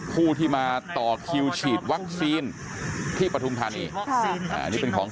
ผู้ที่มาต่อคิวฉีดวัคซีนที่ปฐุมธานีอันนี้เป็นของ